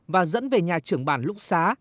và dẫn về nhà trưởng bản lũng xá